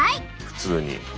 普通に。